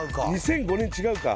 ２００５年違うか。